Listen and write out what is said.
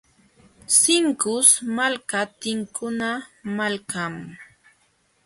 Sinkus malka tinkuna malkam.